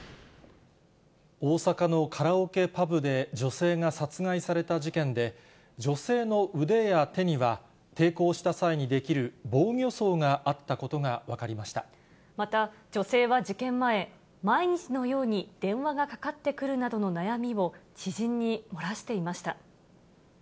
大阪のカラオケパブで女性が殺害された事件で、女性の腕や手には抵抗した際に出来る防御創があったことが分かりまた、女性は事件前、毎日のように電話がかかってくるなどの悩みを、知人に漏らしていました。